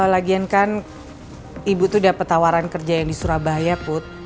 lagian kan ibu tuh dapat tawaran kerja yang di surabaya put